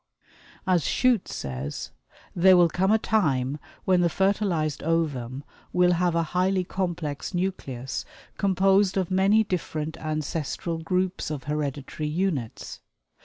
As Shute says: "There will come a time when the fertilized ovum will have a highly complex nucleus composed of many different ancestral groups of hereditary units.